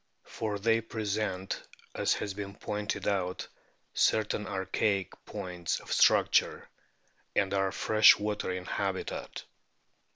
For they present, as has been pointed out, certain archaic points of structure, and are fresh water in habitat.